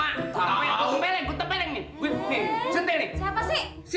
siapa siapa sih